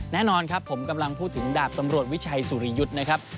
แน่นอนครับผมกำลังพูดถึงดาบตำรวจวิชัยสุริยุทธ์นะครับ